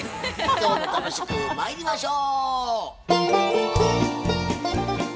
今日も楽しくまいりましょう！